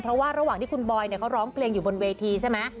เพราะว่าระหว่างที่คุณบอยเขาร้องเพลงอยู่บนเวทีใช่ไหม